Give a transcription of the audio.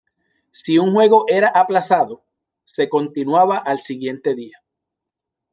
Si un juego era aplazado, se continuaba al día siguiente.